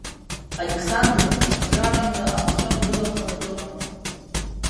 Алеқсандр избжаранӡа ахәцәа дрылаханы дыҟан.